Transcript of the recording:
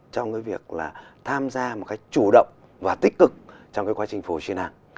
trong cái việc là tham gia một cái chủ động và tích cực trong cái quá trình phục hồi chức năng